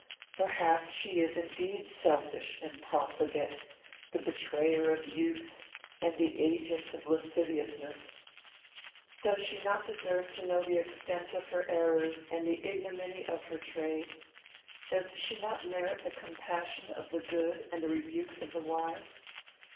Perhaps she is indeed selfish and profligate; the betrayer of youth and the agent of lasciviousness. Does she not deserve to know the extent of her errors and the ignominy of her trade? Does she not merit the compassion of the good and the rebukes of the wise?